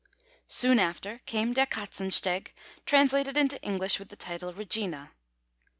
Soon after came Der Katzensteg, translated into English with the title, Regina.